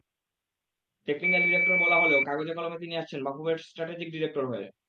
Technical director বলা হলেও কাগজে-কলমে তিনি আসছেন বাফুফের স্ট্র্যাটেজিক ডিরেক্টর হয়ে।